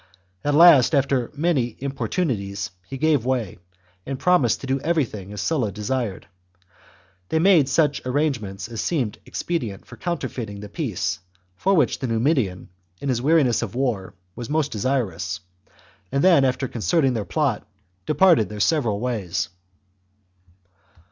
At last, after many importunities he gave way, and promised to do everything as Sulla desired. They made such arrangements as seemed expedient for counterfeiting the peace for which the Numidian, in his weariness of war, was most desirous, and then after concerting their plot, departed their several ways.